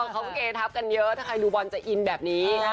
เขาก็เกทับกันเยอะถ้าใครดูบอลจะอินแบบนี้